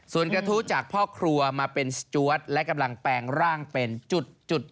ส่วนกระทู้จากพ่อครัวมาเป็นสจวดและกำลังแปลงร่างเป็นจุด